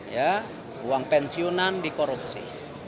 ya uang pensiunan dikorupsi